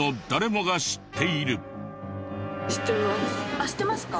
あっ知ってますか？